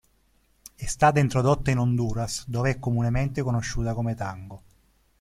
È stata introdotta in Honduras dove è comunemente conosciuta come "tango".